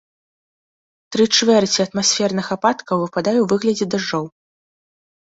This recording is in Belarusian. Тры чвэрці атмасферных ападкаў выпадае ў выглядзе дажджоў.